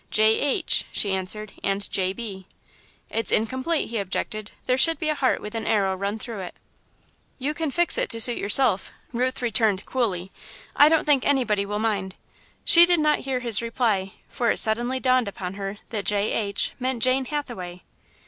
"J. H.," she answered, "and J. B." "It's incomplete," he objected; "there should be a heart with an arrow run through it." "You can fix it to suit yourself," Ruth returned, coolly, "I don't think anybody will mind." She did not hear his reply, for it suddenly dawned upon her that "J. H." meant Jane Hathaway.